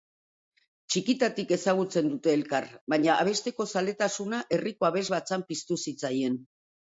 Txikitatik ezagutzen dute elkar, baina abesteko zaletasuna herriko abesbatzan piztu zitzaien.